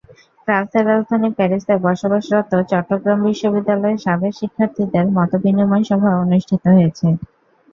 ফ্রান্সের রাজধানী প্যারিসে বসবাসরত চট্টগ্রাম বিশ্ববিদ্যালয়ের সাবেক শিক্ষার্থীদের মতবিনিময় সভা অনুষ্ঠিত হয়েছে।